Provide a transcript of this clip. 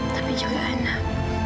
tapi juga anak